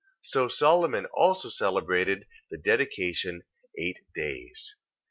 2:12. So Solomon also celebrated the dedication eight days. 2:13.